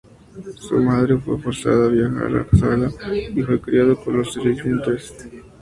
Su madre fue forzada a viajar a Saga, y fue criado por los sirvientes.